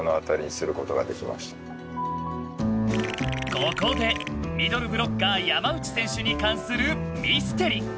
ここでミドルブロッカー山内選手に関するミステリ。